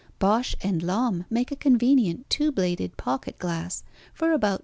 Bausch and Lomb make a convenient two bladed pocket glass for about two dollars.